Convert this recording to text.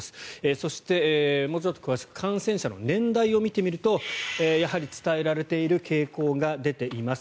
そしてもうちょっと詳しく感染者の年代を見てみるとやはり、伝えられている傾向が出ています。